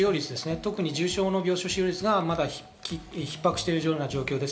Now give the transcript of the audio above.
特に重症の病床使用率がまだ逼迫している状況です。